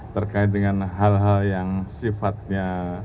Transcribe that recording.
terkait dengan hal hal yang sifatnya